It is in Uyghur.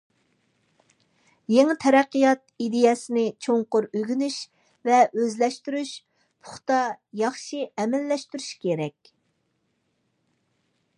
يېڭى تەرەققىيات ئىدىيەسىنى چوڭقۇر ئۆگىنىش ۋە ئۆزلەشتۈرۈش، پۇختا، ياخشى ئەمەلىيلەشتۈرۈش كېرەك.